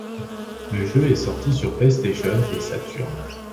Le jeu est sorti sur PlayStation et Saturn.